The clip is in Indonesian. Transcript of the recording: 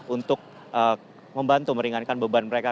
untuk membantu meringankan beban mereka